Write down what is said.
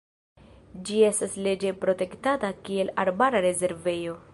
Ĝi estas leĝe protektata kiel arbara rezervejo.